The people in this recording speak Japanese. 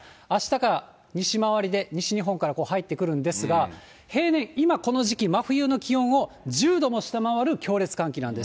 あしたから西回りで、西日本から入ってくるんですが、平年、今この時期、真冬の気温を１０度も下回る強烈寒気なんです。